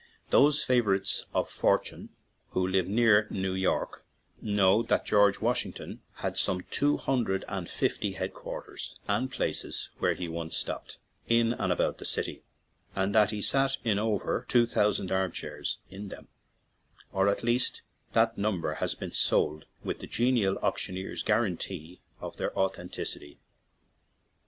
Those favorites of for tune who live near New York know that George Washington had some two hundred and fifty "headquarters" and places where he "once stopped," in and about that city, and that he sat in over two thousand arm chairs in them — or, at least, that number has been sold with the genial auctioneer's guarantee of their authenticity.